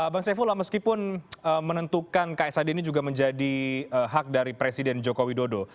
bang saifullah meskipun menentukan ksad ini juga menjadi hak dari presiden joko widodo